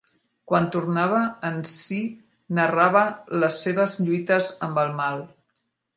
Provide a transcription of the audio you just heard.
Quan tornava en si narrava les seves lluites amb el Mal.